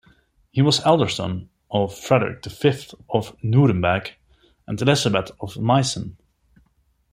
He was elder son of Frederick the Fifth of Nuremberg and Elisabeth of Meissen.